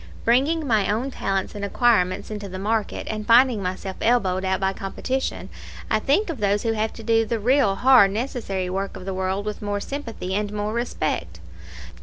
Bringing my own talents and acquirements into the market, and finding myself elbowed out by competition, I think of those who have to do the real hard necessary work of the world with more sympathy and more respect.